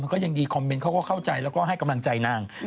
ก็ยังดีคอมเมนต์เขาก็เข้าใจแล้วก็ให้กำลังใจนาง